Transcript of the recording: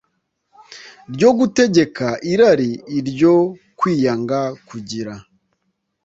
ryo gutegeka irari iryo kwiyanga kugira